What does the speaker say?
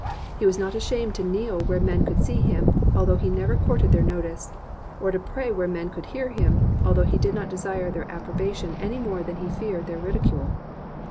He was not ashamed to kneel where men could see him, although he never courted their notice; or to pray where men could hear him, although he did not desire their approbation any more than he feared their ridicule.